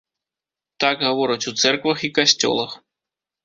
Так гавораць у цэрквах і касцёлах.